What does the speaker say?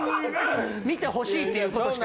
見てほしいっていうことしか。